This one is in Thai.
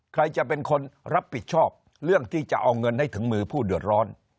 ใครจะเป็นคนรับผิดชอบเรื่องที่จะเอาเงินให้ถึงมือผู้เดือดร้อน